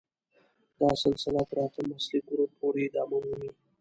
دا سلسله تر اتم اصلي ګروپ پورې ادامه مومي.